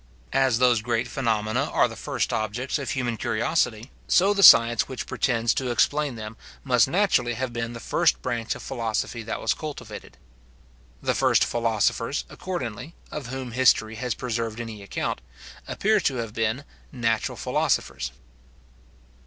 As those great phenomena are the first objects of human curiosity, so the science which pretends to explain them must naturally have been the first branch of philosophy that was cultivated. The first philosophers, accordingly, of whom history has preserved any account, appear to have been natural philosophers.